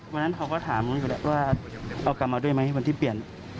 วันนั้นเขาก็ถามเขาอยู่แหละว่าเอากลับมาด้วยไหมวันที่เปลี่ยน